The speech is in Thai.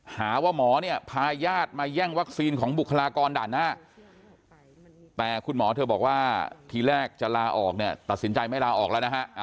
หาว่าหมอเนี่ยพาญาติมาแย่งวัคซีนของบุคลากรด่านหน้าแต่คุณหมอเธอบอกว่าทีแรกจะลาออกเนี่ยตัดสินใจไม่ลาออกแล้วนะฮะ